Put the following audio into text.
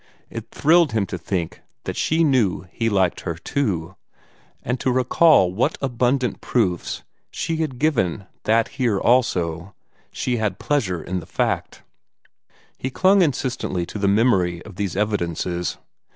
It thrilled him to think that she knew he liked her, too, and to recall what abundant proofs she had given that here, also, she had pleasure in the fact. He clung insistently to the memory of these evidences.